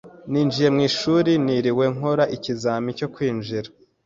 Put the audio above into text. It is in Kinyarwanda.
Ninjiye mu ishuri ntiriwe nkora ikizamini cyo kwinjira.